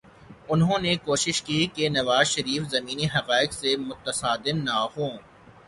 انہوں نے کوشش کی کہ نواز شریف زمینی حقائق سے متصادم نہ ہوں۔